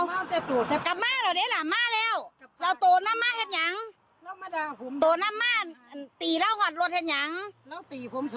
นี่เป็นทริปที่ถ่ายช่วงหลังจากเกิดเหตุทะเลาะกันเรียบร้อยแล้ว